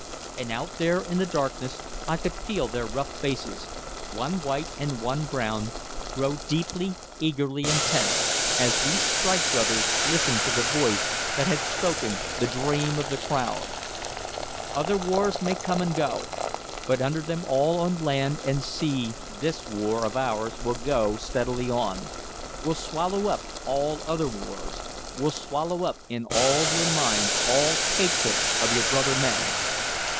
And out there in the darkness I could feel their rough faces, one white and one brown, grow deeply, eagerly intent, as these strike brothers listened to the voice that had spoken the dream of the crowd: "Other wars may come and go but under them all on land and sea this war of ours will go steadily on will swallow up all other wars will swallow up in all your minds all hatred of your brother men.